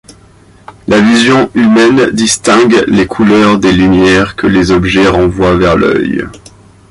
La vision humaine distingue les couleurs des lumières que les objets renvoient vers l'œil.